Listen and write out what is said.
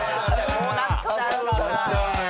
・こうなっちゃう。